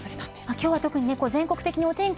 今日は特に全国的にお天気